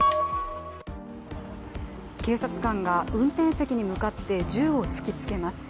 警察官が運転席に向かって銃を突きつけます。